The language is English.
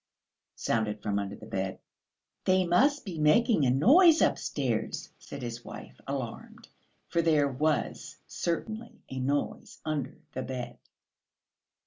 sounded from under the bed. "They must be making a noise upstairs," said his wife, alarmed, for there certainly was a noise under the bed.